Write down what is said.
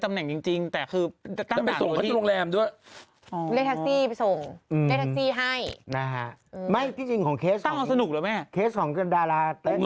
มันตั้งซอกซอยอะอ่า